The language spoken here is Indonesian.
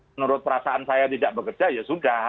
menurut perasaan saya tidak bekerja ya sudah